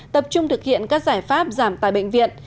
tập trung thực hiện các giải pháp giảm tài bệnh viện